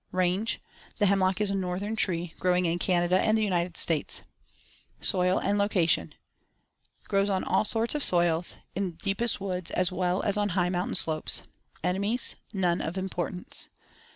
Range: The hemlock is a northern tree, growing in Canada and the United States. Soil and location: Grows on all sorts of soils, in the deepest woods as well as on high mountain slopes. Enemies: None of importance.